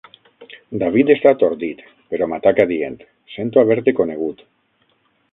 David està atordit, però m'ataca dient: sento haver-te conegut.